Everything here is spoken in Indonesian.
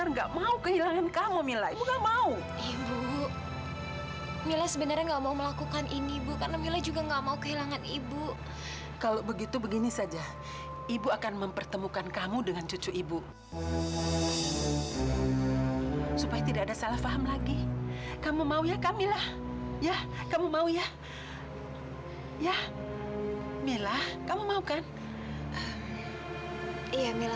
aku ulang ke indonesia sama selinggoine fadhil